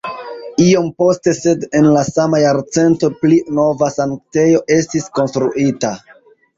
Iom poste sed en la sama jarcento pli nova sanktejo estis konstruita.